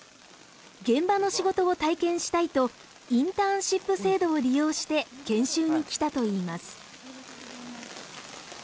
現場の仕事を体験したいとインターンシップ制度を利用して研修に来たといいます。